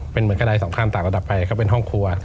เป็นเหมือนกันได้สองขั้นต่างระดับไปเขาเป็นห้องครัว